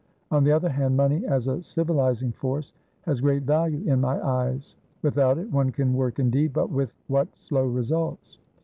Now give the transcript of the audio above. On the other hand, money as a civilising force has great value in my eyes. Without it, one can work indeed, but with what slow results?